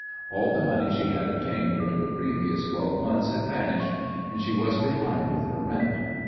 All the money she had obtained during the previous twelve months had vanished, and she was behind with her rent.